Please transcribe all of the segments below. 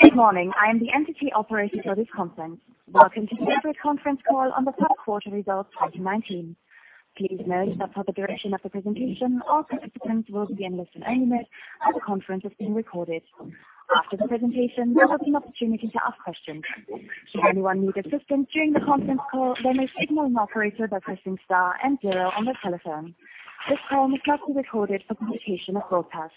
Good morning. I am the entity operator for this conference. Welcome to the Geberit conference call on the third quarter results 2019. Please note that for the duration of the presentation, all participants will be enlisted only, and the conference is being recorded. After the presentation, there will be an opportunity to ask questions. Should anyone need assistance during the conference call, they may signal an operator by pressing star and zero on their telephone. This call may also be recorded for publication or broadcast.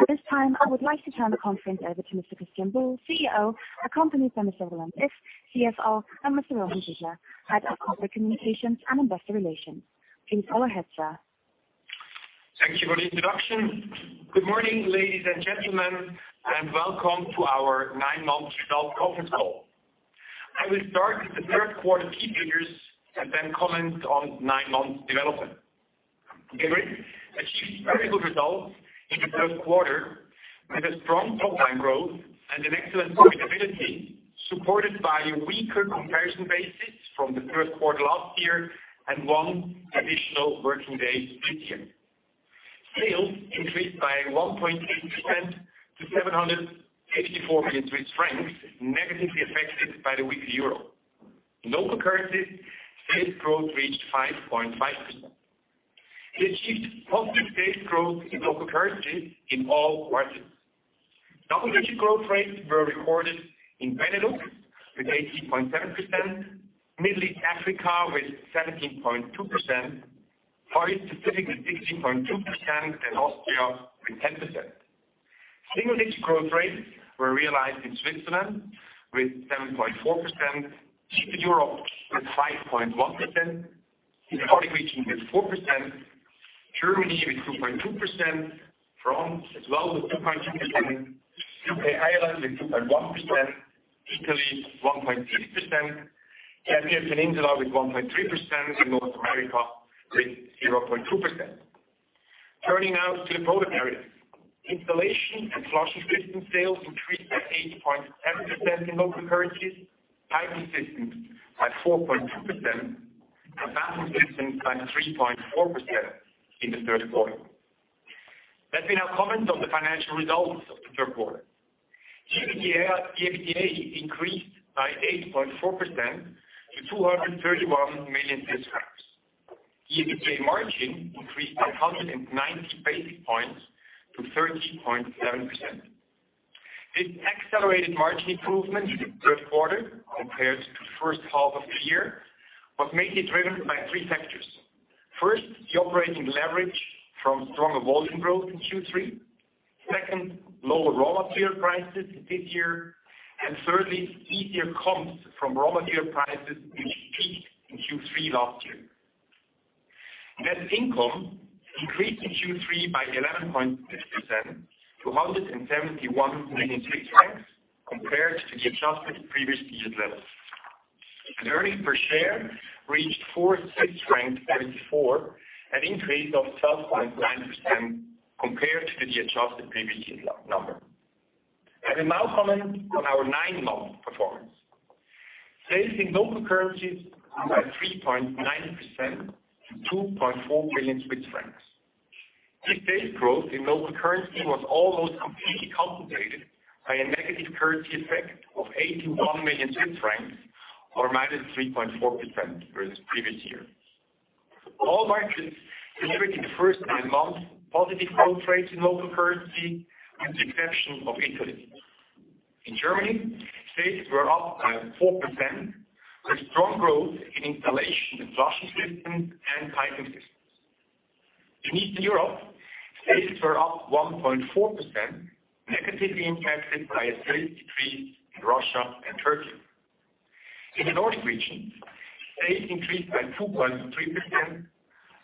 At this time, I would like to turn the conference over to Mr. Christian Buhl, CEO, accompanied by Mr. Roland Iff, CFO, and Mr. Roman Sidler, Head of Corporate Communications and Investor Relations. Please go ahead, sir. Thank you for the introduction. Good morning, ladies and gentlemen, and welcome to our nine-month result conference call. I will start with the third quarter key figures and then comment on nine months development. Geberit achieved very good results in the third quarter, with a strong top-line growth and an excellent profitability, supported by weaker comparison basis from the third quarter last year and one additional working day this year. Sales increased by 1.8% to 784 billion Swiss francs, negatively affected by the weaker euro. In local currency, sales growth reached 5.5%. We achieved positive sales growth in local currency in all quarters. Double-digit growth rates were recorded in Benelux with 18.7%, Middle East Africa with 17.2%, Far East Pacific with 16.2%, and Austria with 10%. Single-digit growth rates were realized in Switzerland with 7.4%, Eastern Europe with 5.1%, the Nordic region with 4%, Germany with 2.2%, France as well with 2.2%, U.K., Ireland with 2.1%, Italy 1.8%, Spanish Peninsula with 1.3%, and North America with 0.2%. Turning now to the product areas. Installation and flushing systems sales increased by 8.7% in local currencies, Piping Systems by 4.2%, and Bathroom Systems by 3.4% in the third quarter. Let me now comment on the financial results of the third quarter. Group EBITDA increased by 8.4% to 231 million. EBITDA margin increased by 190 basis points to 30.7%. This accelerated margin improvement in the third quarter compared to the first half of the year was mainly driven by three factors. First, the operating leverage from stronger volume growth in Q3, second, lower raw material prices this year, Thirdly, easier comps from raw material prices, which peaked in Q3 last year. Net income increased in Q3 by 11.6% to 171 million compared to the adjusted previous period level. Earnings per share reached 4.64, an increase of 12.9% compared to the adjusted previous number. Let me now comment on our nine-month performance. Sales in local currencies grew by 3.9% to 2.4 billion Swiss francs. This sales growth in local currency was almost completely compensated by a negative currency effect of 81 million francs, or minus 3.4% versus previous year. All markets delivered in the first nine months positive growth rates in local currency with the exception of Italy. In Germany, sales were up by 4% with strong growth in installation and flushing systems and piping systems. In Eastern Europe, sales were up 1.4%, negatively impacted by a sales decrease in Russia and Turkey. In the North region, sales increased by 2.3%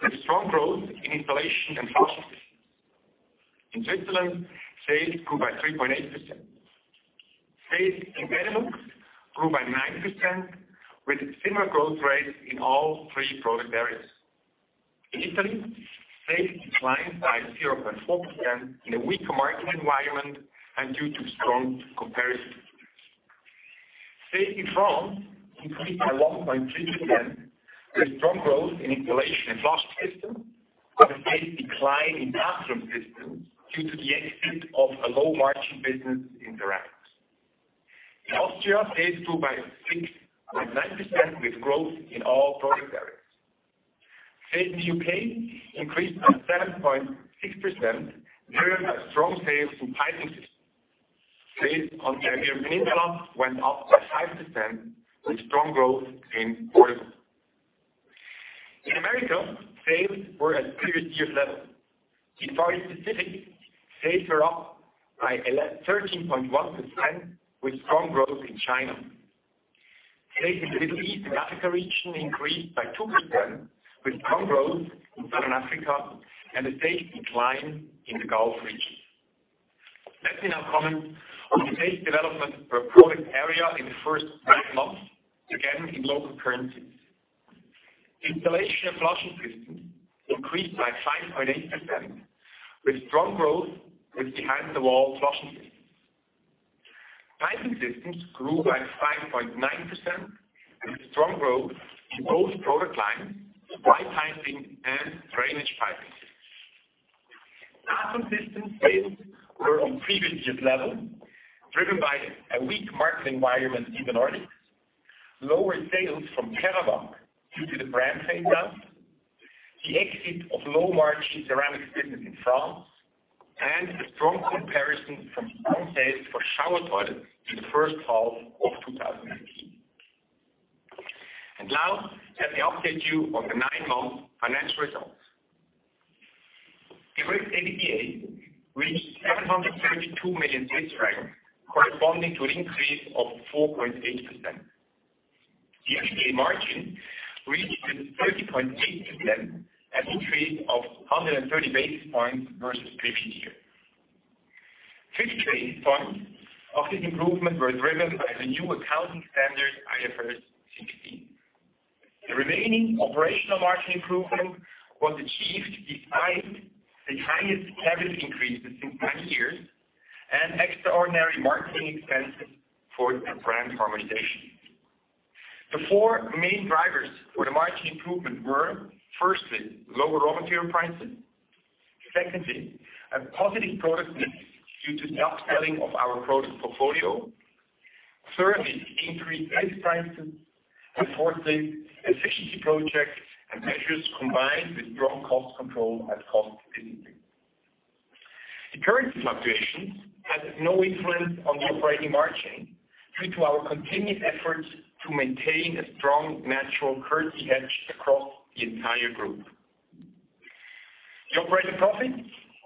with strong growth in installation and flushing systems. In Switzerland, sales grew by 3.8%. Sales in Benelux grew by 9% with similar growth rates in all three product areas. In Italy, sales declined by 0.4% in a weaker market environment and due to strong comparison. Sales in France increased by 1.3% with strong growth in installation and flushing systems, but a sales decline in Bathroom Systems due to the exit of a low-margin business in France. In Austria, sales grew by 6.9% with growth in all product areas. Sales in the U.K. increased by 7.6%, driven by strong sales in Piping Systems. Sales on the Iberian Peninsula went up by 5% with strong growth in Portugal. In the Americas, sales were at previous year's level. In Far East Pacific, sales were up by 13.1% with strong growth in China. Sales in Middle East and Africa region increased by 2% with strong growth in Southern Africa and a sales decline in the Gulf region. Let me now comment on the sales development per product area in the first nine months, again in local currencies. Installation and flushing systems increased by 5.8%, with strong growth behind the wall flushing systems. Piping Systems grew by 5.9% with strong growth in both product lines, supply piping and drainage piping. Not consistent sales were on previous year's level, driven by a weak market environment in the Nordics, lower sales from Keramag due to the brand phase-down, the exit of low-margin ceramics business in France, and the strong comparison from strong sales for shower toilet in the first half of 2019. Now let me update you on the 9-month financial results. Geberit EBITDA reached 732 million Swiss francs, corresponding to an increase of 4.8%. The EBITDA margin reached 30.8%, an increase of 130 basis points versus previous year. 50 basis points of this improvement were driven by the new accounting standard, IFRS 16. The remaining operational margin improvement was achieved despite the highest salary increases in 20 years and extraordinary marketing expenses for the brand harmonization. The four main drivers for the margin improvement were, firstly, lower raw material prices. Secondly, a positive product mix due to upselling of our product portfolio. Thirdly, increased base prices. Fourthly, efficiency projects and measures combined with strong cost control at group entity. The currency fluctuations had no influence on the operating margin due to our continued efforts to maintain a strong natural currency hedge across the entire group. The operating profit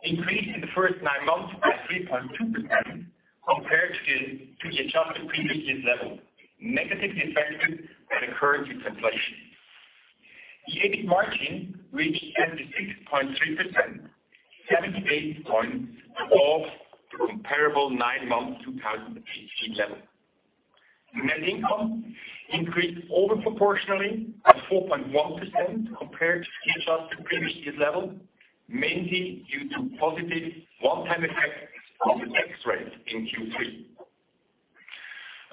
increased in the first nine months by 3.2% compared to the adjusted previous year's level, negatively affected by the currency translation. The EBIT margin reached 36.3%, 70 basis points off the comparable nine-month 2018 level. Net income increased over proportionally by 4.1% compared to the adjusted previous year's level, mainly due to positive one-time effects on the tax rate in Q3.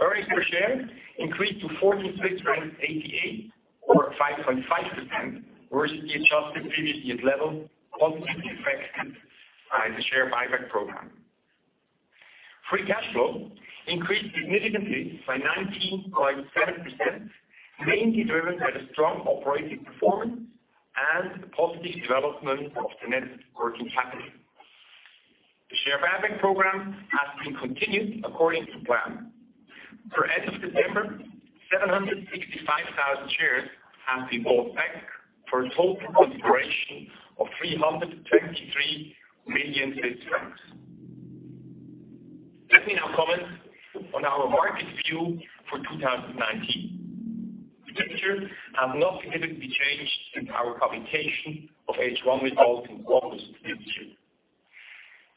Earnings per share increased to 46.88 or 5.5% versus the adjusted previous year's level, positively affected by the share buyback program. Free cash flow increased significantly by 19.7%, mainly driven by the strong operating performance and the positive development of the net working capital. The share buyback program has been continued according to plan. For as of September, 765,000 shares have been bought back for a total consideration of 323 million. Let me now comment on our market view for 2019. The picture has not significantly changed since our publication of H1 results in August this year.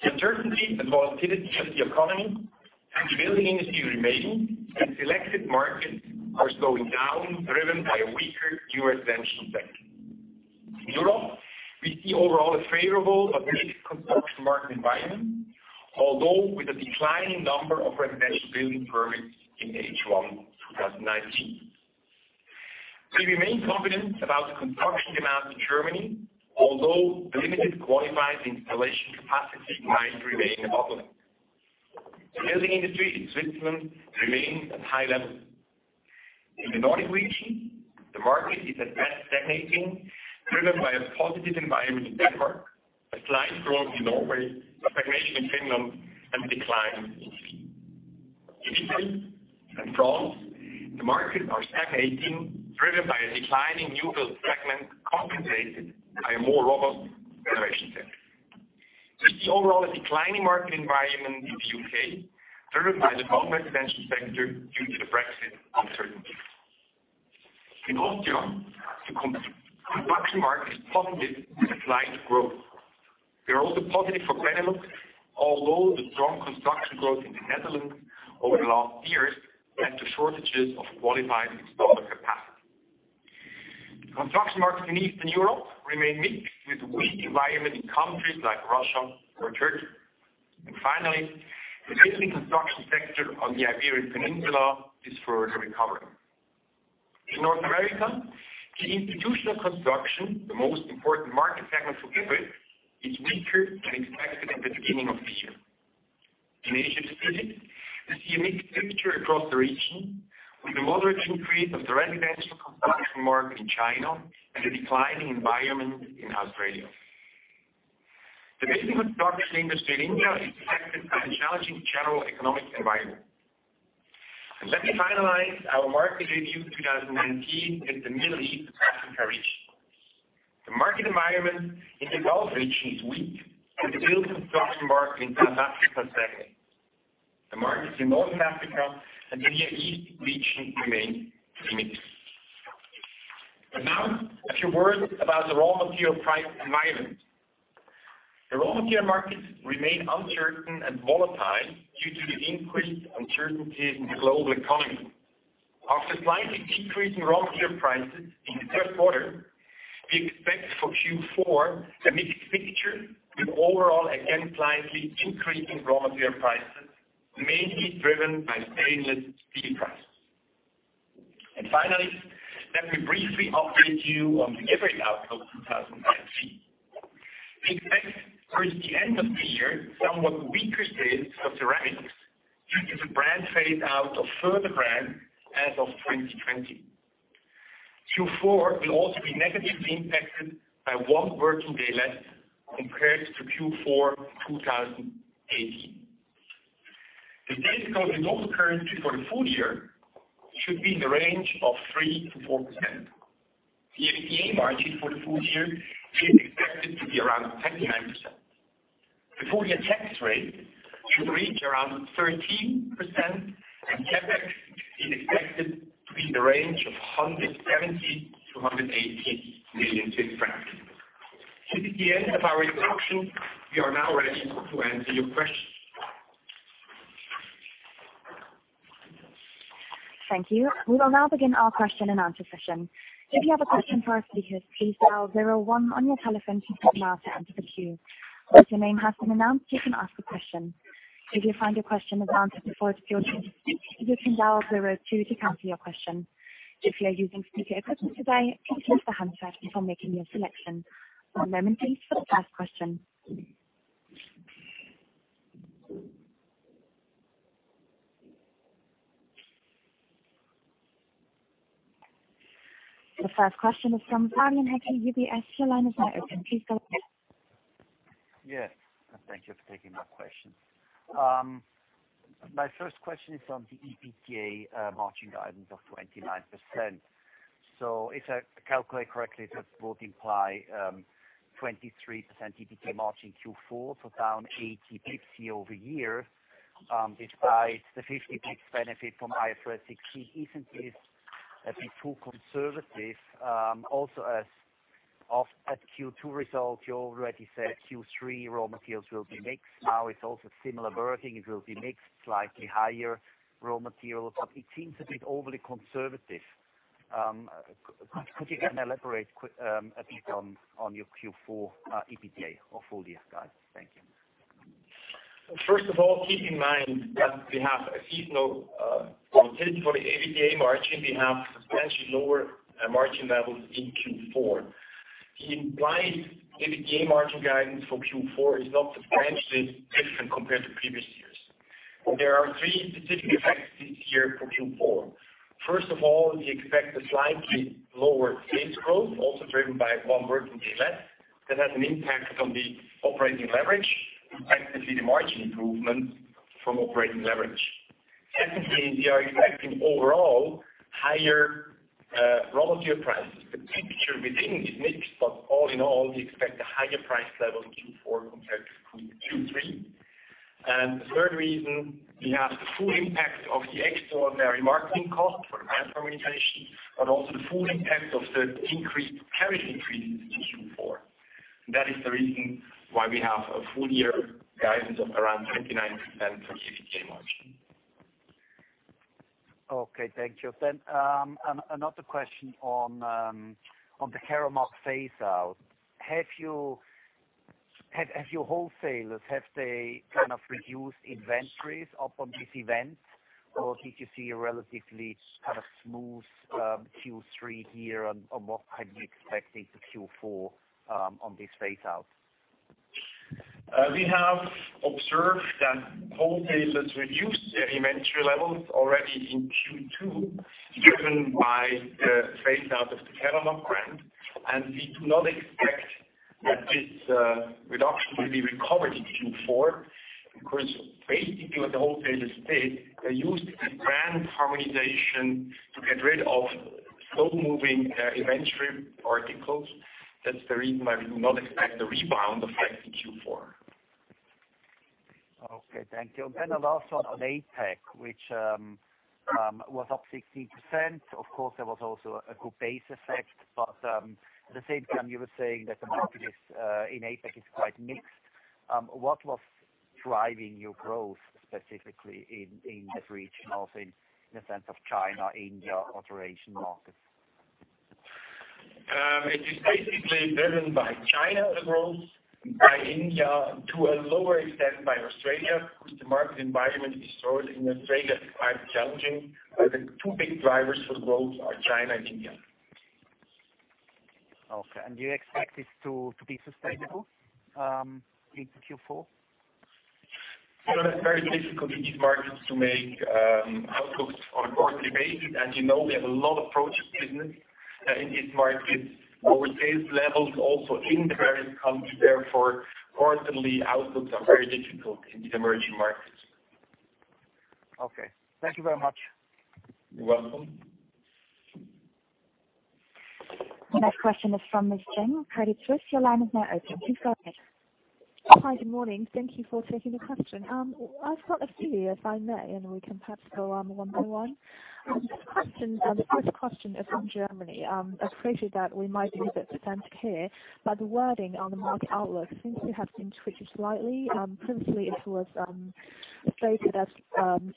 The uncertainty and volatility of the economy and the building industry remain, and selected markets are slowing down, driven by a weaker U.S. residential sector. In Europe, we see overall a favorable but mixed construction market environment, although with a declining number of residential building permits in H1 2019. We remain confident about the construction demand in Germany, although the limited qualified installation capacity might remain a bottleneck. The building industry in Switzerland remains at high level. In the Nordic region, the market is at best stagnating, driven by a positive environment in Denmark, a slight growth in Norway, a stagnation in Finland, and decline in Sweden. In Italy and France, the markets are stagnating, driven by a declining new build segment compensated by a more robust renovation segment. We see overall a declining market environment in the U.K., driven by the non-residential sector due to the Brexit uncertainty. In Austria, the construction market is positive with a slight growth. We are also positive for Benelux, although the strong construction growth in the Netherlands over the last years led to shortages of qualified installer capacity. The construction markets in Eastern Europe remain mixed with weak environment in countries like Russia or Turkey. Finally, the building construction sector on the Iberian Peninsula is further recovering. In North America, the institutional construction, the most important market segment for Geberit, is weaker than expected at the beginning of the year. In Asia Pacific, we see a mixed picture across the region with a moderate increase of the residential construction market in China and a declining environment in Australia. The building and construction industry in India is affected by the challenging general economic environment. Let me finalize our market review 2019 with the Middle East and Africa region. The market environment in the Gulf region is weak, with the building construction market in South Africa steady. The markets in Northern Africa and the Near East region remain mixed. Now a few words about the raw material price environment. The raw material markets remain uncertain and volatile due to the increased uncertainties in the global economy. After slightly decreasing raw material prices in the third quarter, we expect for Q4 a mixed picture with overall again slightly increasing raw material prices, mainly driven by stainless steel prices. Finally, let me briefly update you on the overall outlook 2019. We expect towards the end of the year, somewhat weaker sales for ceramics due to the brand phase-down of further brands as of 2020. Q4 will also be negatively impacted by one working day less compared to Q4 2018. The sales growth in local currency for the full year should be in the range of 3%-4%. The EBITDA margin for the full year is expected to be around 29%. The full-year tax rate should reach around 13%, and CapEx is expected to be in the range of 170 million-180 million francs. This is the end of our introduction. We are now ready to answer your questions. Thank you. We will now begin our question and answer session. If you have a question for our speakers, please dial 01 on your telephone to join now to enter the queue. Once your name has been announced, you can ask a question. If you find your question has answered before it's your turn to speak, you can dial 02 to cancel your question. If you are using speaker equipment today, please lift the handset before making your selection. One moment please for the first question. The first question is from Fabian Haecki, UBS. Your line is now open. Please go ahead. Yes. Thank you for taking my question. My first question is on the EBIT margin guidance of 29%. If I calculate correctly, that would imply 23% EBIT margin in Q4, down 80 basis points year-over-year, despite the 50 basis points benefit from IFRS 16. Isn't this a bit too conservative? As of at Q2 results, you already said Q3 raw materials will be mixed. Now it's also similar wording. It will be mixed, slightly higher raw materials, but it seems a bit overly conservative. Could you elaborate a bit on your Q4 EBIT or full-year guidance? Thank you. First of all, keep in mind that we have a seasonal volatility for the EBIT margin. We have substantially lower margin levels in Q4. The implied EBIT margin guidance for Q4 is not substantially different compared to previous years. There are three specific effects this year for Q4. First of all, we expect a slightly lower sales growth, also driven by one working day less. That has an impact on the operating leverage. We expect to see the margin improvement from operating leverage. Secondly, we are expecting overall higher raw material prices, particularly within mixed, but all in all, we expect a higher price level in Q4 compared to Q3. The third reason, we have the full impact of the extraordinary marketing cost for the brand harmonization, but also the full impact of the increased carriage increase in Q4. That is the reason why we have a full year guidance of around 29% for EBIT margin. Okay. Thank you. Another question on the Keramag phase out. Have your wholesalers, have they kind of reduced inventories upon this event, or did you see a relatively smooth Q3 here on, or what had you expected to Q4, on this phase out? We have observed that wholesalers reduced their inventory levels already in Q2, driven by the phase out of the Keramag brand, and we do not expect that this reduction will be recovered in Q4. Basically what the wholesalers did, they used the brand harmonization to get rid of slow-moving inventory articles. That's the reason why we do not expect a rebound effect in Q4. Okay. Thank you. The last one on APAC, which was up 16%. Of course, there was also a good base effect, but at the same time you were saying that the market in APAC is quite mixed. What was driving your growth specifically in that region, also in the sense of China, India, other Asian markets? It is basically driven by China growth, by India, to a lower extent by Australia. Of course, the market environment is still in Australia, quite challenging. The two big drivers for growth are China and India. Okay. Do you expect it to be sustainable into Q4? It's very difficult in these markets to make outlooks on a quarterly basis. As you know, we have a lot of project business in these markets where sales levels also increase. Therefore, quarterly outlooks are very difficult in these emerging markets. Okay. Thank you very much. You're welcome. The next question is from Ms. Jing, Credit Suisse. Your line is now open. Please go ahead. Hi, good morning. Thank you for taking the question. I've got a few if I may, and we can perhaps go one by one. The first question is on Germany. I appreciate that we might be a bit semantic here, but the wording on the market outlook seems to have been tweaked slightly. Principally it was stated as,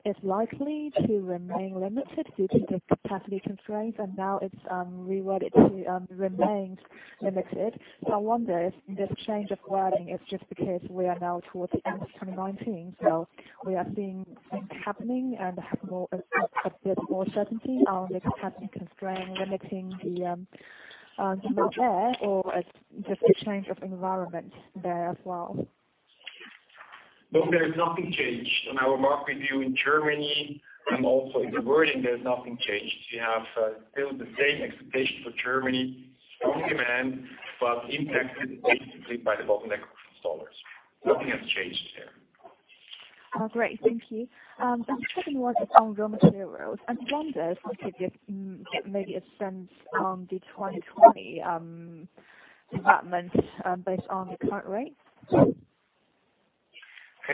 "Is likely to remain limited due to the capacity constraints," and now it's reworded to, "Remains limited." I wonder if this change of wording is just because we are now towards the end of 2019, so we are seeing happening and have a bit more certainty on the capacity constraint limiting the amount there, or it's just a change of environment there as well? No, there's nothing changed on our market view in Germany, and also in the wording, there's nothing changed. We have still the same expectation for Germany, strong demand, but impacted basically by the bottleneck of installers. Nothing has changed there. Great. Thank you. The second one is on raw materials. I wonder if you could give maybe a sense on the 2020 development based on the current rates. Can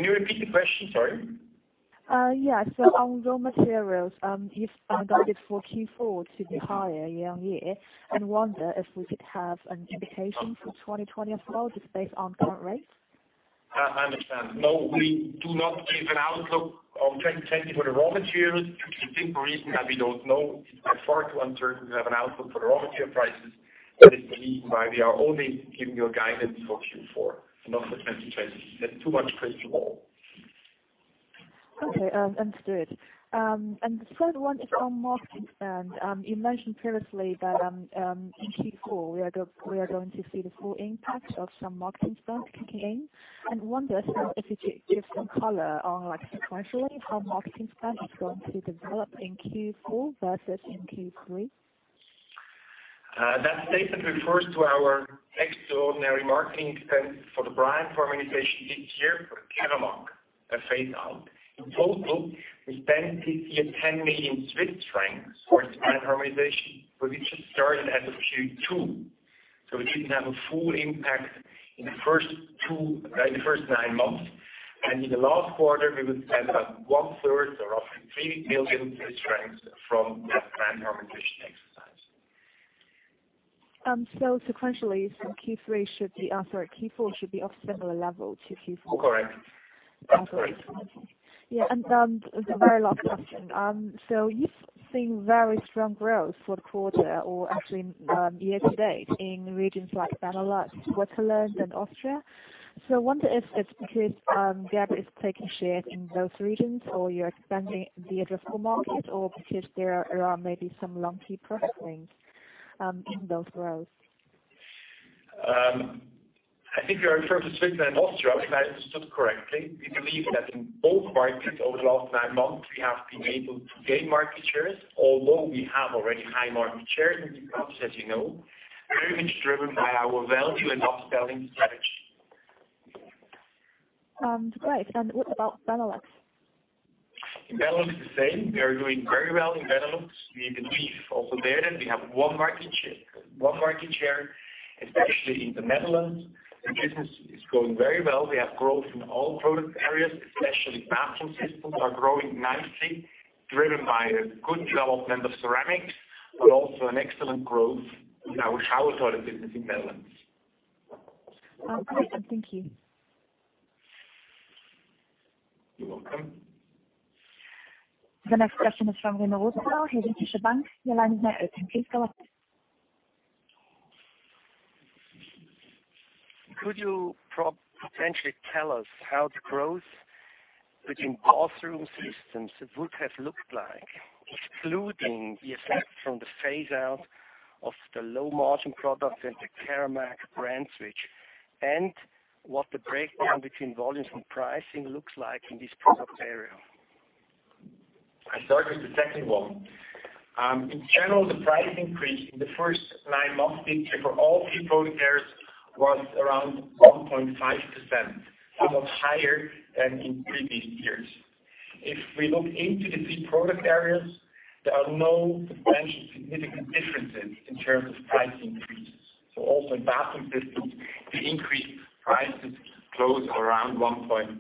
you repeat the question? Sorry. Yeah. On raw materials, you've guided for Q4 to be higher year-on-year, and wonder if we could have an indication for 2020 as well, just based on current rates. I understand. No, we do not give an outlook on 2020 for the raw materials. The simple reason that we don't know, it's far too uncertain to have an outlook for the raw material prices. That is the reason why we are only giving you a guidance for Q4 and not for 2020. There's too much principle. Okay. Understood. The third one is on marketing spend. You mentioned previously that, in Q4, we are going to see the full impact of some marketing spend kicking in. I wonder if you give some color on sequentially how marketing spend is going to develop in Q4 versus in Q3? That statement refers to our extraordinary marketing expense for the brand harmonization this year for Keramag, a phase out. In total, we spent this year 10 million Swiss francs for brand harmonization. We just started as of Q2. We didn't have a full impact in the first nine months. In the last quarter, we will spend about one third or roughly 3 million from that brand harmonization exercise. Sequentially, Q4 should be of similar level to Q4. Correct. Okay. Thank you. The very last question. You've seen very strong growth for the quarter or actually year to date in regions like Benelux, Switzerland, and Austria. I wonder if it's because Geberit is taking share in those regions or you're expanding the addressable market or because there are maybe some lumpy pricing in those growth. I think you are referring to Switzerland and Austria, if I understood correctly. We believe that in both markets over the last nine months, we have been able to gain market shares, although we have already high market share in these countries, as you know. Very much driven by our value and upselling strategy. Great. What about Benelux? In Benelux, the same. We are doing very well in Benelux. We believe also there that we have one market share, especially in the Netherlands. The business is growing very well. We have growth in all product areas, especially Bathroom Systems are growing nicely, driven by a good development of ceramics, but also an excellent growth in our shower toilet business in Netherlands. Okay. Thank you. You're welcome. The next question is from Remco Zijlstra, ING Bank. Your line is now open. Please go ahead. Could you potentially tell us how the growth between Bathroom Systems would have looked like, excluding the effect from the phase out of the low-margin products and the Keramag brand switch, and what the breakdown between volumes and pricing looks like in this product area? I start with the second one. In general, the price increase in the first nine months this year for all three product areas was around 1.5%, somewhat higher than in previous years. If we look into the three product areas, there are no substantial significant differences in terms of price increases. Also in Bathroom Systems, we increased prices close around 1.5%.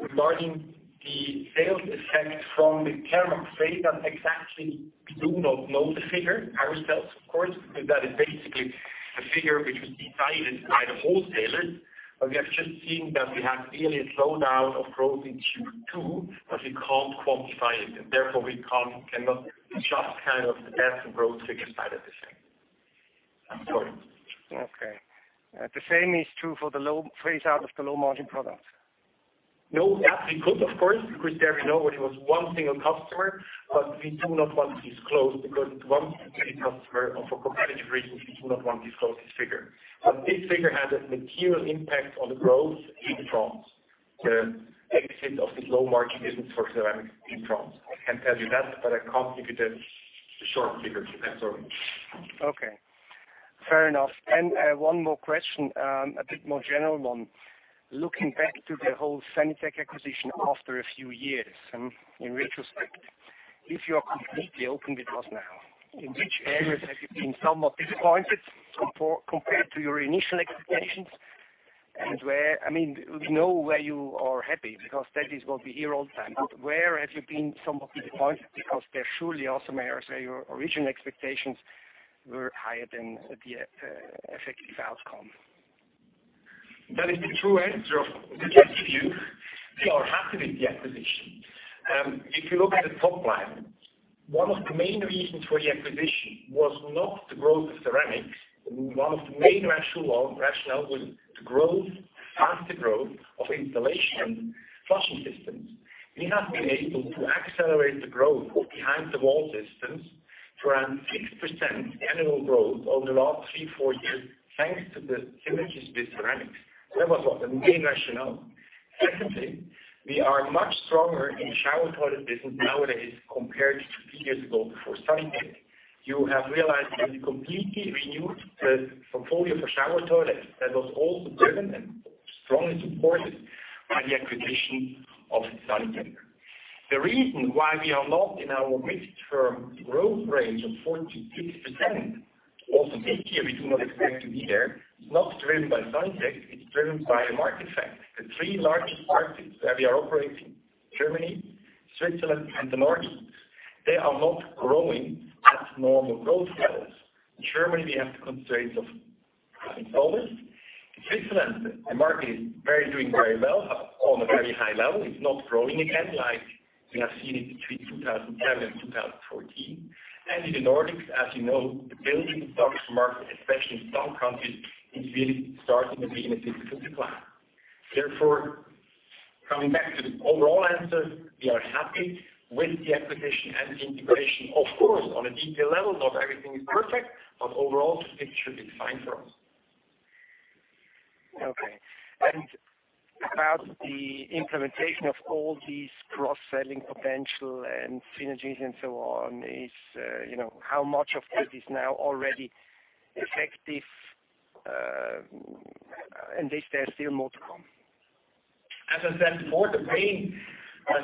Regarding the sales effect from the Keramag phase out exactly, we do not know the figure ourselves, of course, because that is basically a figure which was decided by the wholesalers. We have just seen that we have clearly a slowdown of growth in Q2, but we can't quantify it, and therefore we cannot just kind of guess the growth figure side of the thing. I'm sorry. Okay. The same is true for the phase out of the low-margin products? No. That we could, of course, because there we know it was one single customer. We do not want to disclose because it's one single customer, and for competitive reasons, we do not want to disclose this figure. This figure had a material impact on the growth in France, the exit of this low-margin business for ceramic in France. I can tell you that, but I can't give you the short figure. I'm sorry. Okay. Fair enough. One more question, a bit more general one. Looking back to the whole Sanitec acquisition after a few years, in retrospect, if you are completely open with us now, in which areas have you been somewhat disappointed compared to your initial expectations? We know where you are happy because that is going to be here all the time. Where have you been somewhat disappointed because there surely are some areas where your original expectations were higher than the effective outcome. That is the true answer. We can tell you, we are happy with the acquisition. If you look at the top line, one of the main rationale was the growth, faster growth of installation and flushing systems. We have been able to accelerate the growth of behind the wall systems to around 6% annual growth over the last three, four years, thanks to the synergies with ceramics. That was the main rationale. Secondly, we are much stronger in the shower toilet business nowadays compared to three years ago before Sanitec. You have realized we have completely renewed the portfolio for shower toilets. That was also driven and strongly supported by the acquisition of Sanitec. The reason why we are not in our midterm growth range of 4% to 6%, also this year we do not expect to be there, it is not driven by Sanitec, it is driven by a market fact. The three largest markets where we are operating, Germany, Switzerland, and the Nordics, they are not growing at normal growth levels. In Germany, we have the constraints of installers. In Switzerland, the market is doing very well on a very high level. It is not growing again like we have seen it between 2010 and 2014. In the Nordics, as you know, the building stock market, especially in some countries, is really starting to be in a physical decline. Therefore, coming back to the overall answer, we are happy with the acquisition and the integration. Of course, on a detail level, not everything is perfect, but overall, it should be fine for us. Okay. About the implementation of all these cross-selling potential and synergies and so on is, how much of that is now already effective, and is there still more to come? As I said before, the main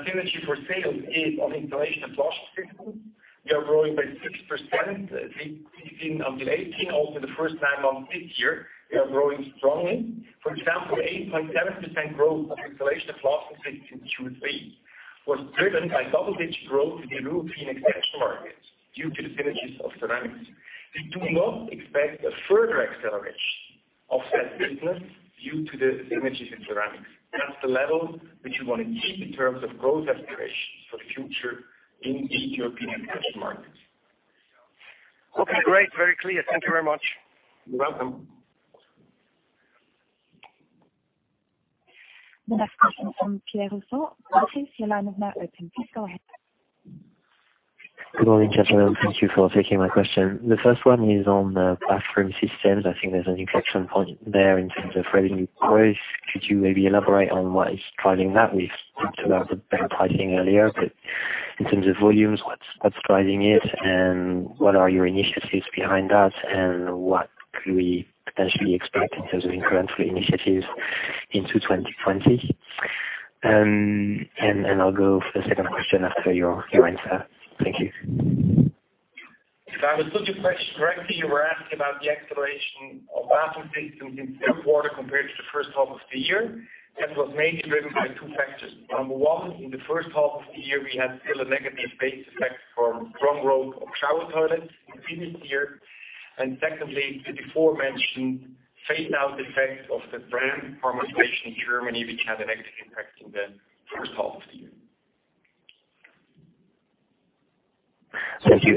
synergy for sales is on installation and flushing systems. We are growing by 6%, 15 of 18, also the first time on this year, we are growing strongly. For example, 8.7% growth of installation and flushing systems in Q3 was driven by double-digit growth in the European extension markets due to the synergies of ceramics. We do not expect a further acceleration of that business due to the synergies in ceramics. That's the level which we want to keep in terms of growth aspiration for the future in the European extension markets. Okay, great. Very clear. Thank you very much. You're welcome. The next question from Pierre Rousseau, Barclays, your line is now open. Please go ahead. Good morning, gentlemen. Thank you for taking my question. The first one is on the Bathroom Systems. I think there's an inflection point there in terms of revenue growth. Could you maybe elaborate on what is driving that? We've talked about the better pricing earlier, but in terms of volumes, what's driving it and what are your initiatives behind that? What could we potentially expect in terms of incremental initiatives into 2020? I'll go for the second question after your answer. Thank you. If I understood your question correctly, you were asking about the acceleration of Bathroom Systems in third quarter compared to the first half of the year. That was mainly driven by two factors. Number one, in the first half of the year, we had still a negative base effect from strong growth of shower toilets in the previous year. Secondly, the beforementioned phase-down effect of the Keramag brand in Germany, which had a negative impact in the first half of the year. Thank you.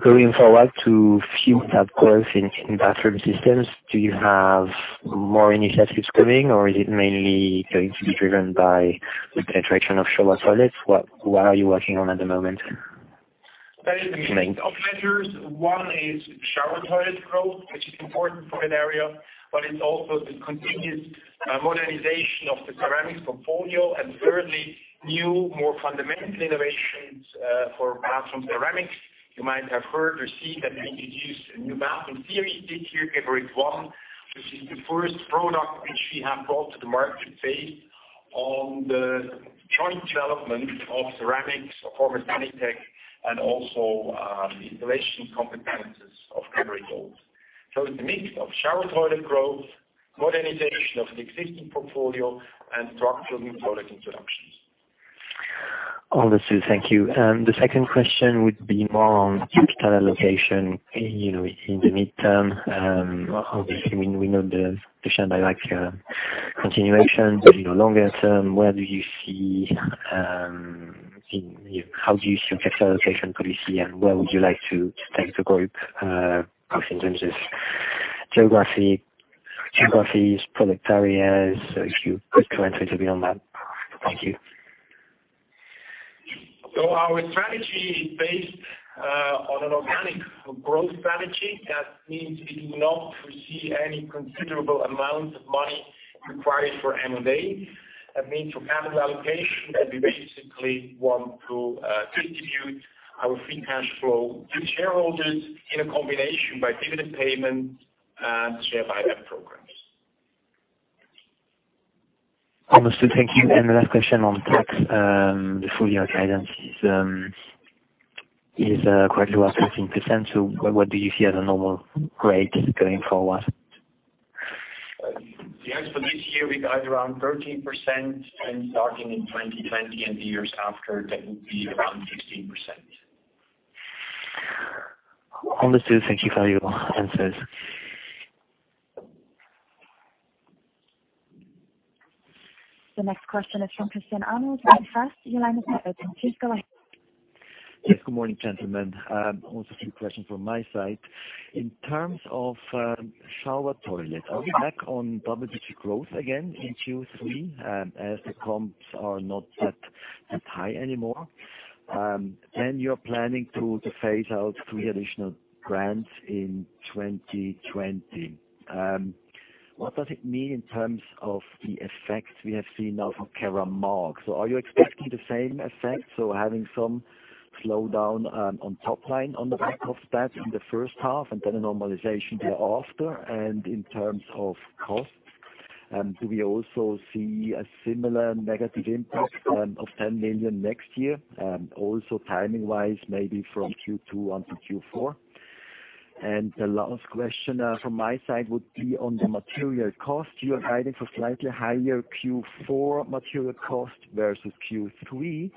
Going forward to future growth in Bathroom Systems, do you have more initiatives coming, or is it mainly going to be driven by the penetration of shower toilets? What are you working on at the moment? There is a mix of measures. One is shower toilet growth, which is important for that area, but it's also the continuous modernization of the ceramics portfolio, and thirdly, new, more fundamental innovations for bathroom ceramics. You might have heard or seen that we introduced a new bathroom series this year, Geberit ONE. This is the first product which we have brought to the market based on the joint development of ceramics, our former Sanitec, and also the installation competencies of Geberit Group. It's a mix of shower toilet growth, modernization of the existing portfolio, and structural new product introductions. Understood. Thank you. The second question would be more on capital allocation in the midterm. Obviously, we know the share buyback continuation, but longer term, how do you see your capital allocation policy and where would you like to take the Group, both in terms of geographies, product areas, a few quick comments would be on that. Thank you. Our strategy is based on an organic growth strategy. That means we do not foresee any considerable amount of money required for M&A. That means for capital allocation, that we basically want to distribute our free cash flow to shareholders in a combination by dividend payment and share buyback programs. Understood. Thank you. The last question on tax. The full-year guidance is quite low at 15%. What do you see as a normal rate going forward? The answer this year, we guide around 13% and starting in 2020 and the years after, that will be around 16%. Understood. Thank you for your answers. The next question is from Christian Arnold, Bank Vontobel. Please go ahead. Yes. Good morning, gentlemen. A few questions from my side. In terms of shower toilet, are we back on double-digit growth again in Q3, as the comps are not that high anymore? You're planning to phase out three additional brands in 2020. What does it mean in terms of the effects we have seen now from Keramag? Are you expecting the same effect, so having some slowdown on top line on the back of that in the first half and then a normalization thereafter? In terms of costs, do we also see a similar negative impact of 10 million next year? Timing-wise, maybe from Q2 on to Q4. The last question from my side would be on the material cost. You are guiding for slightly higher Q4 material cost versus Q3.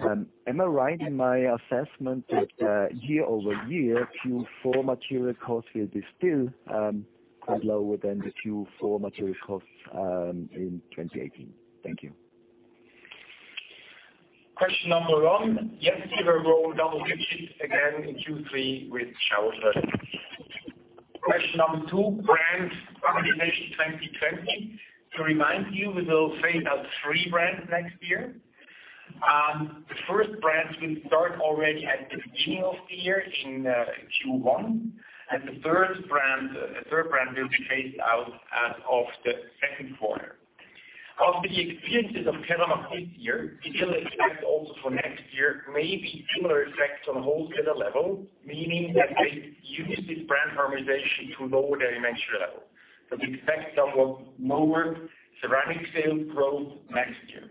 Am I right in my assessment that year-over-year, Q4 material cost will be still quite lower than the Q4 material cost in 2018? Thank you. Question number one, yes, we were growing double digits again in Q3 with shower toilets. Question number two, brand harmonization 2020. To remind you, we will phase out three brands next year. The first brand will start already at the beginning of the year in Q1, and the third brand will be phased out as of the second quarter. Of the experiences of Keramag this year, we still expect also for next year, maybe similar effects on a wholesaler level, meaning that they use this brand harmonization to lower their inventory level. We expect somewhat lower ceramic sales growth next year.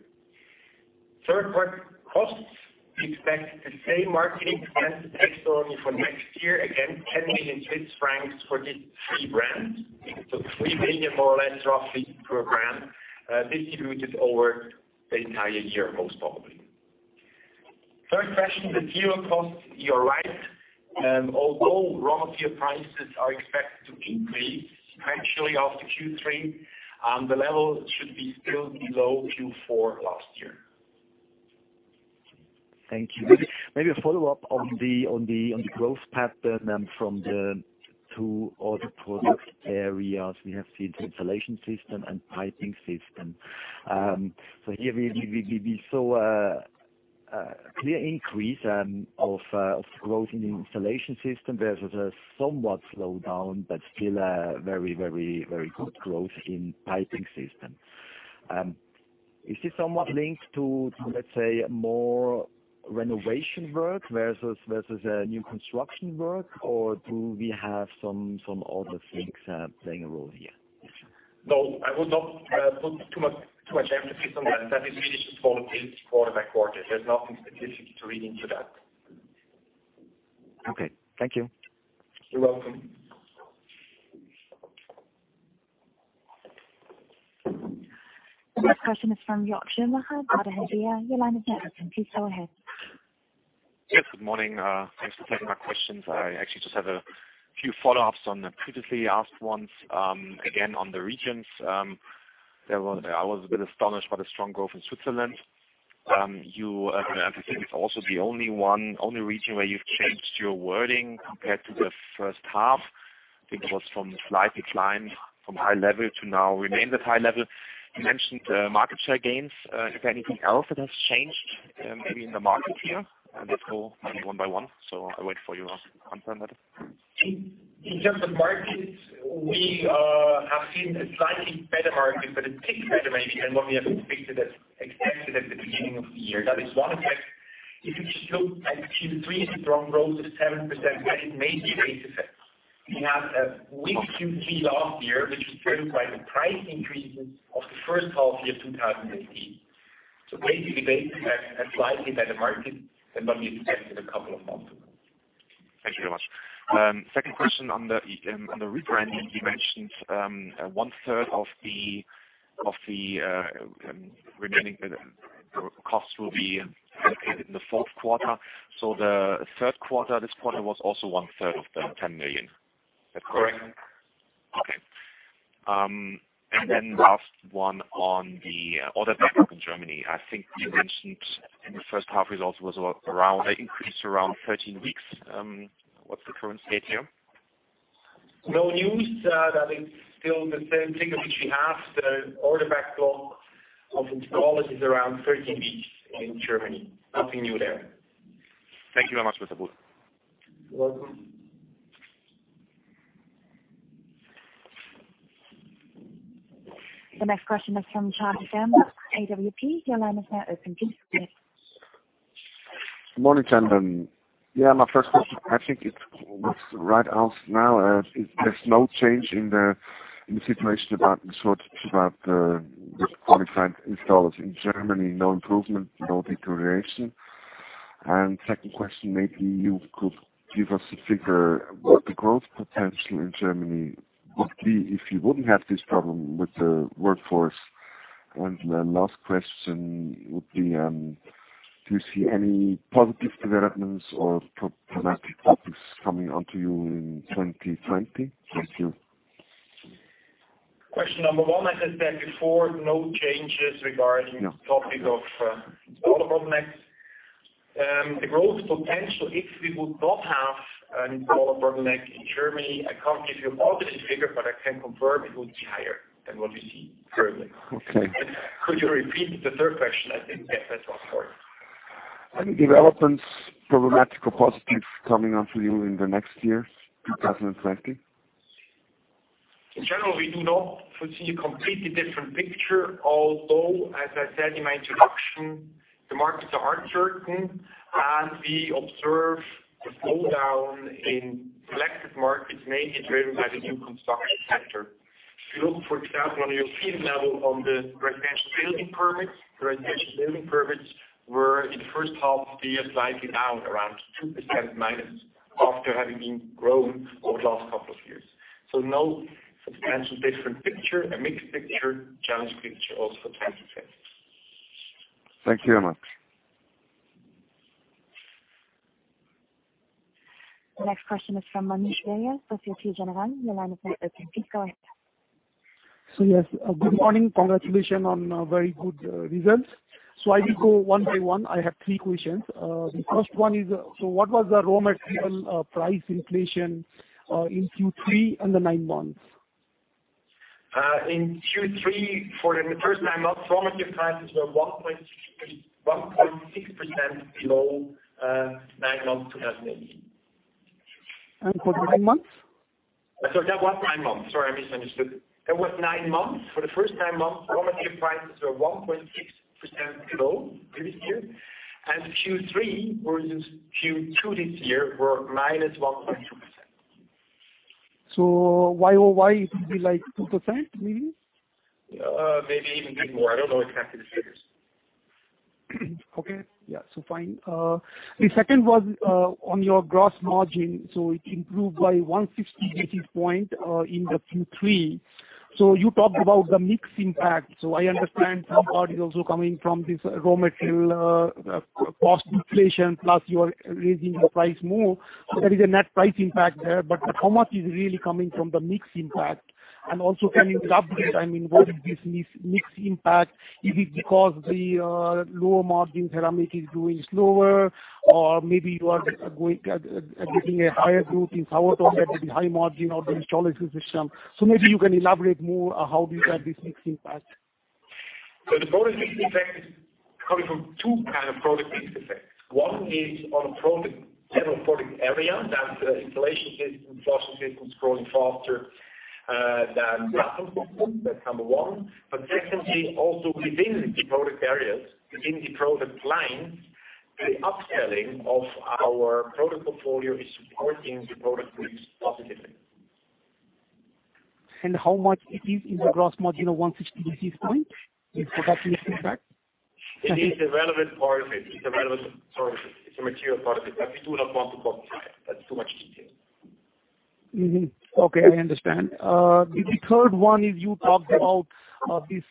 Third, costs. We expect the same marketing spend basically for next year. Again, 10 million Swiss francs for these three brands. 3 million, more or less, roughly per brand, distributed over the entire year, most probably. Third question, the material costs. You're right. Although raw material prices are expected to increase gradually after Q3, the level should be still below Q4 last year. Thank you. Maybe a follow-up on the growth pattern from the two order product areas. We have seen the installation system and Piping Systems. Here we saw a clear increase of growth in the installation system versus a somewhat slowdown, but still a very good growth in Piping Systems. Is this somewhat linked to, let's say, more renovation work versus new construction work, or do we have some other things playing a role here? No, I would not put too much emphasis on that. That is really just volatility quarter by quarter. There is nothing specific to read into that. Okay. Thank you. You're welcome. The next question is from Jörg Schlimbach, Berenberg. Your line is now open. Please go ahead. Yes, good morning. Thanks for taking my questions. I actually just have a few follow-ups on the previously asked ones. Again, on the regions. I was a bit astonished by the strong growth in Switzerland. I think it's also the only region where you've changed your wording compared to the first half. I think it was from slight decline from high level to now remain at high level. You mentioned market share gains. Is there anything else that has changed maybe in the market here? If so, maybe one by one, I wait for your answer on that. In terms of markets, we have seen a slightly better market, but a tick better maybe than what we have expected at the beginning of the year. That is one effect. If you just look at Q3, the strong growth of 7%, that is mainly a base effect. We had a weak Q3 last year, which was driven by the price increases of the first half year 2016. Basically, base effect, a slightly better market than what we expected a couple of months ago. Thank you very much. Second question on the rebranding. You mentioned one third of the remaining costs will be allocated in the fourth quarter. The third quarter, this quarter, was also one third of the 10 million. Is that correct? Correct. Okay. Last one on the order backlog in Germany, I think you mentioned in the first half results was increased around 13 weeks. What's the current state here? No news. That is still the same thing that we have. The order backlog of installers is around 13 weeks in Germany. Nothing new there. Thank you very much for the support. You're welcome. The next question is from Charlie, AWP. Your line is now open. Please proceed. Good morning, gentlemen. Yeah, my first question, I think it was right out now. There's no change in the situation about the shortage, about the qualified installers in Germany? No improvement, no deterioration. Second question, maybe you could give us a figure what the growth potential in Germany would be if you wouldn't have this problem with the workforce? The last question would be, do you see any positive developments or problematic topics coming onto you in 2020? Thank you. Question number one, as I said before, no changes regarding the topic of raw material bottleneck. The growth potential, if we would not have a raw material bottleneck in Germany, I can't give you an audited figure, but I can confirm it would be higher than what you see currently. Okay. Could you repeat the third question? I didn't get that one sorry. Any developments, problematic or positive, coming onto you in the next year, 2020? In general, we do not foresee a completely different picture, although, as I said in my introduction, the markets are uncertain and we observe the slowdown in selected markets mainly driven by the new construction center. If you look, for example, on European level on the residential building permits, residential building permits were in the first half of the year slightly down around 2% minus after having been growing over the last couple of years. No substantially different picture, a mixed picture, challenged picture also for 2050. Thank you very much. The next question is from Manish Deora, Société Générale. Your line is now open. Please go ahead. Yes, good morning. Congratulations on very good results. I will go one by one. I have three questions. The first one is, what was the raw material price inflation in Q3 and the nine months? In Q3, for the first nine months, raw material prices were 1.6% below nine months 2018. For the nine months? Sorry, that was nine months. Sorry, I misunderstood. That was nine months. For the first nine months, raw material prices were 1.6% below previous year. Q3 versus Q2 this year were -1.2%. YOY it will be like 2% maybe? Maybe even a bit more. I don't know exactly the figures. Okay. Yeah. Fine. The second was on your gross margin, it improved by 160 basis points in the Q3. You talked about the mix impact. I understand some part is also coming from this raw material cost inflation, plus you are raising the price more. There is a net price impact there. How much is really coming from the mix impact? Also can you elaborate, I mean, what is this mix impact? Is it because the lower margin ceramic is growing slower or maybe you are getting a higher growth in Sanitec, that will be high margin or the installation system. Maybe you can elaborate more on how you got this mix impact. The product mix effect is coming from two kind of product mix effects. One is on a several product area. That's the Installation Systems, Flushing Systems growing faster than Bathroom Systems. That's number one. Secondly, also within the product areas, within the product lines, the upselling of our product portfolio is supporting the product mix positively. How much it is in the gross margin of 160 basis point for that mix impact? It is a relevant part of it. It's a material part of it. We do not want to quantify it. That's too much detail. Okay, I understand. The third one is you talked about these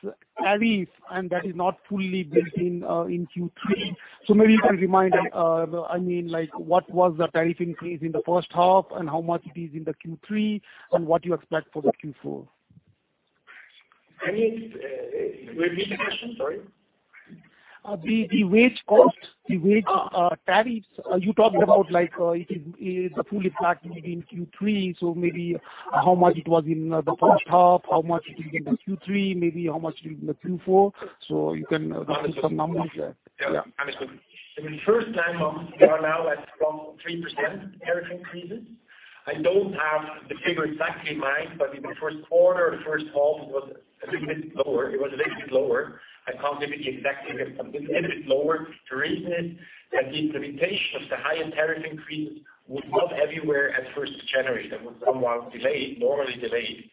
tariffs. That is not fully built in in Q3. Maybe you can remind, I mean, what was the tariff increase in the first half and how much it is in the Q3, and what you expect for the Q4? Can you repeat the question? Sorry. The wage cost, the wage tariffs, you talked about it is a fully backed maybe in Q3. Maybe how much it was in the first half, how much it is in the Q3, maybe how much it is in the Q4? You can just give some numbers there. Yeah. Understood. In the first nine months, we are now at 3% tariff increases. I don't have the figure exactly in mind, but in the first quarter or first half, it was a little bit lower. I can't give you the exact figure, but it's a little bit lower reason is that the implementation of the higher tariff increase was not everywhere at 1st of January. That was somewhat delayed, normally delayed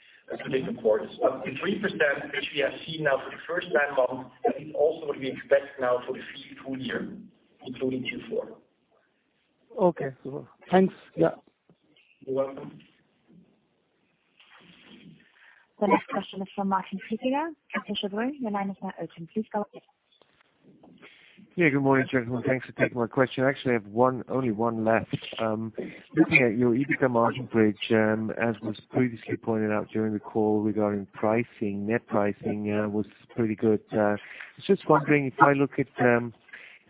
to later quarters. The 3% which we have seen now for the first nine months, that is also what we expect now for the full year, including Q4. Okay. Thanks. Yeah. You're welcome. The next question is from Martin Flueckiger, Berenberg. Your line is now open. Please go ahead. Good morning, gentlemen. Thanks for taking my question. I actually have only one left. Looking at your EBITDA margin bridge, as was previously pointed out during the call regarding pricing, net pricing was pretty good. I was just wondering if I look at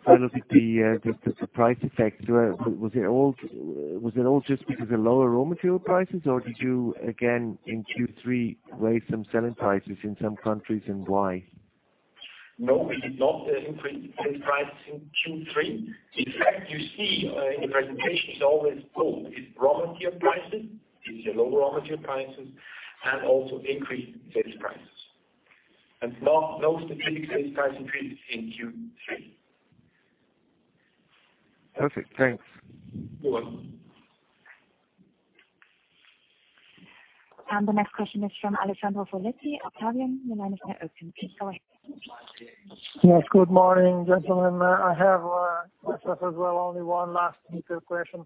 the price effect, was it all just because of lower raw material prices or did you again in Q3 raise some selling prices in some countries and why? No, we did not increase sales prices in Q3. In fact, you see in the presentation it's always both. It's raw material prices. It's the lower raw material prices and also increased sales prices. No specific sales price increase in Q3. Perfect. Thanks. You're welcome. The next question is from Alessandro Foletti, Octavian. Your line is now open. Please go ahead. Yes. Good morning, gentlemen. I have as well, only one last little question.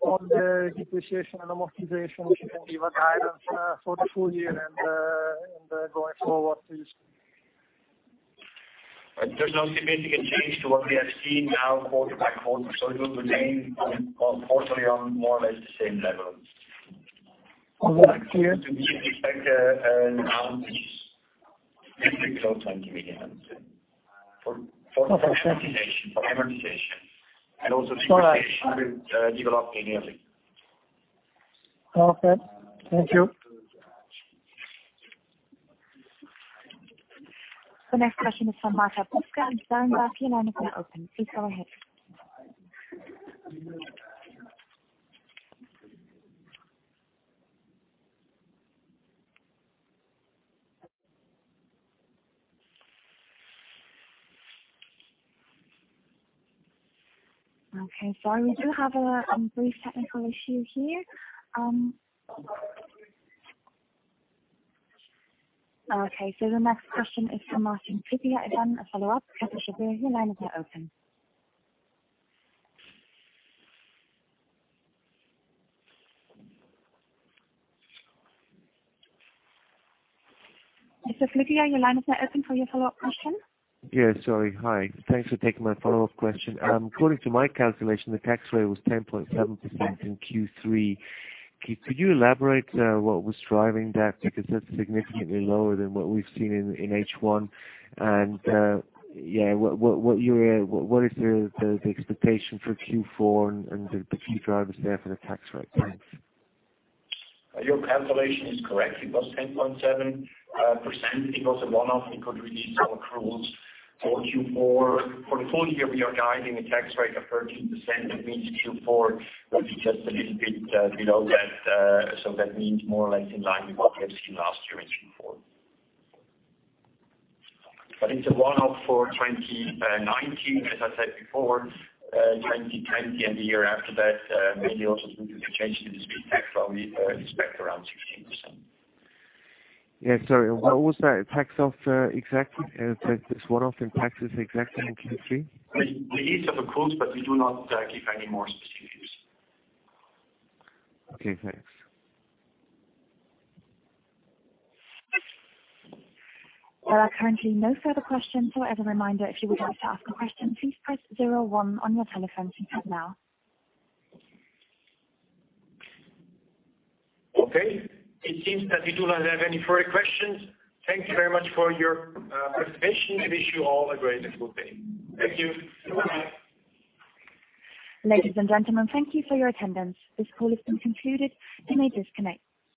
On the depreciation and amortization, can you give a guidance for the full year and going forward, please? There's no significant change to what we have seen now quarter by quarter. It will remain, unfortunately, on more or less the same level. On what level? We expect around this close to CHF 20 million. Okay. For amortization. Also depreciation will develop linearly. Okay. Thank you. The next question is from Marta Bruska in Berenberg. Your line is now open. Please go ahead. Sorry. We do have a brief technical issue here. The next question is from Martin Flueckiger at JPM, a follow-up. Mr. Flueckiger, your line is now open. Mr. Flueckiger, your line is now open for your follow-up question. Yeah. Sorry. Hi. Thanks for taking my follow-up question. According to my calculation, the tax rate was 10.7% in Q3. Could you elaborate what was driving that? That's significantly lower than what we've seen in H1, and what is the expectation for Q4 and the key drivers there for the tax rate? Thanks. Your calculation is correct. It was 10.7%. It was a one-off. We could release some accruals for Q4. For the full year, we are guiding a tax rate of 13%. That means Q4 will be just a little bit below that. That means more or less in line with what we have seen last year in Q4. It's a one-off for 2019. As I said before, 2020 and the year after that, maybe also due to the change in the Swiss tax law, we expect around 16%. Yeah, sorry. What was that tax off exactly? That's one-off in taxes exactly in Q3? The ease of accruals, but we do not give any more specifics. Okay, thanks. There are currently no further questions. As a reminder, if you would like to ask a question, please press zero one on your telephone keypad now. Okay, it seems that we do not have any further questions. Thank you very much for your participation and wish you all a great and good day. Thank you. Bye-bye. Ladies and gentlemen, thank you for your attendance. This call has been concluded. You may disconnect.